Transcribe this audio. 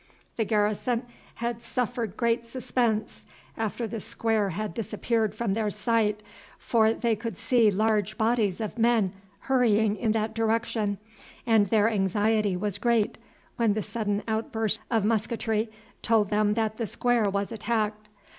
The garrison had suffered great suspense after the square had disappeared from their sight, for they could see large bodies of men hurrying in that direction, and their anxiety was great when the sudden outburst of musketry told them that the square was attacked.